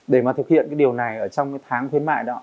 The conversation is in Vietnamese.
để mà thực hiện cái điều này ở trong cái tháng khuyến mại đó